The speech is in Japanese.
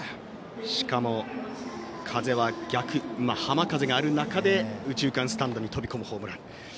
しかも、風は逆浜風がある中で右中間スタンドへ飛び込むホームラン。